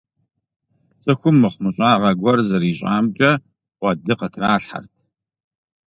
Цӏыхум мыхумыщӏагъэ гуэр зэрищӏамкӏэ къуэды къытралъхьэрт.